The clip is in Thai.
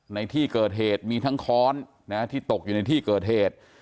ในที่เกิดเหตุมีทั้งค้อนที่ตกอยู่ในที่เกิดเหตุ